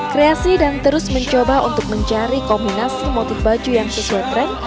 kreasi dan terus mencoba untuk mencari kombinasi motif baju yang sesuai track